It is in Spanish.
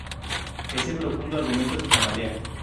Ese profundo argumento se tambalea